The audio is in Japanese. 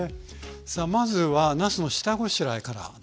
さあまずはなすの下ごしらえからですね。